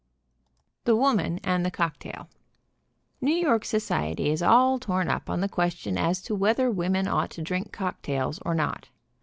THE WOMAN AND THE COCKTAIL. New York society is all torn up on the question as to whether women ought to drink cocktails or not.